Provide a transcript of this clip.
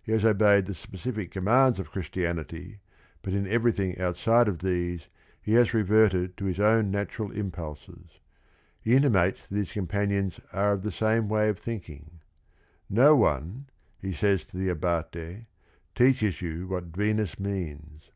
He has obeyed the specific commands of Christianity, but in everything outside of these he has reverted to his own natural impulses. He intimates that his companions are of the same way of thinking. No one, he says to the Abate, "teaches you what Venus means."